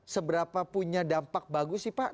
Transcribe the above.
seberapa punya dampak bagus sih pak